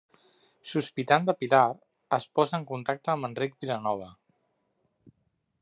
Sospitant de Pilar, es posa en contacte amb Enric Vilanova.